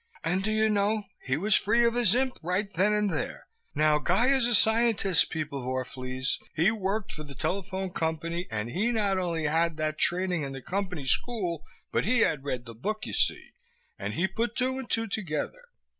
"And, do you know, he was free of his imp right then and there! Now, Guy is a scientist, people of Orph'lese, he worked for the telephone company, and he not only had that training in the company school but he had read the book, you see, and he put two and two together.